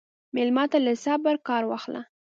مېلمه ته له صبره کار واخله.